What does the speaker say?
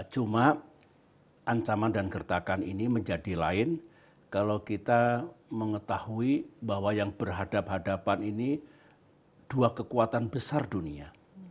cuma ancaman dan gertakan ini menjadi lain kalau kita mengetahui bahwa yang berhadapan hadapan ini dua kekuatan besar dunia